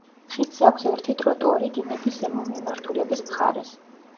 ხიდს აქვს ერთი ტროტუარი დინების ზემო მიმართულების მხარეს.